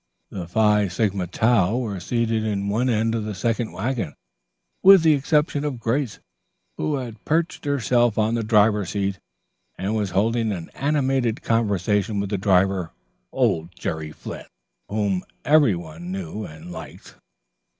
The Phi Sigma Tau were seated in one end of the second wagon, with the exception of Grace, who had perched herself on the driver's seat, and was holding an animated conversation with the driver, old Jerry Flynn, whom every one knew and liked.